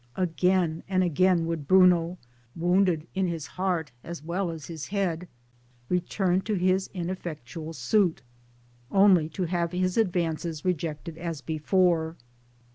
Again and again would Bruno wounded in his heart as well as in his head return to his ineffectual suit, only to have his advances rejected as before.